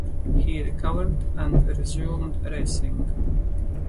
He recovered and resumed racing.